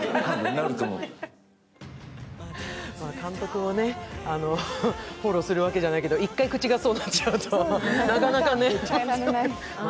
監督をフォローするわけじゃないけど、１回、口がそうなっちゃうとなかなかね。